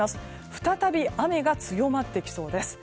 再び雨が強まってきそうです。